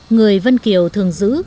người vân kiều thường giữ